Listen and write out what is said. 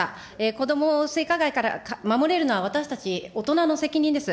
子どもを性加害から守れるのは私たち大人の責任です。